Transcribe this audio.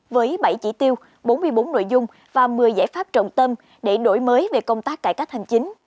với bảy chỉ tiêu bốn mươi bốn nội dung và một mươi giải pháp trọng tâm để đổi mới về công tác cải cách hành chính